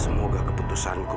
semoga keputusanku mencari